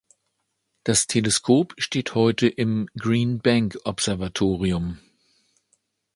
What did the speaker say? Das Teleskop steht heute im Green-Bank-Observatorium.